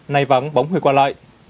nay vắng bóng hồi qua lại